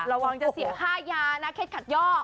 ระวังจะเสียค่ายานะเคล็ดขัดย่อ